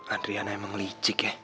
adriana emang licik ya